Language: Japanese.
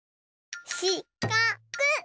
しかく。